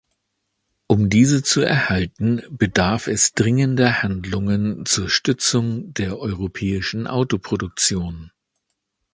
Um diese zu erhalten, bedarf es dringender Handlungen zur Stützung der europäischen Autoproduktion.